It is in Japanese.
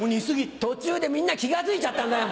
途中でみんな気が付いちゃったんだよ